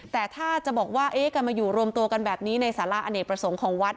แต่ถ้าจะบอกว่าการมาอยู่รวมตัวกันแบบนี้ในสาระอเนกประสงค์ของวัด